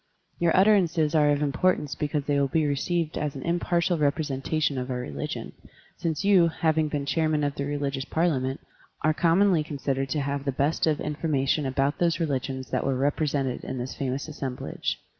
Your utterances are of importance because they will be received as an impartial representation of our religion, since you, having been Chairman of the Religious Parliament, are commonly considered to have the best of information about those reli gions that were represented at this famous assemblage.